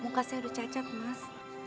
muka saya udah cacat mas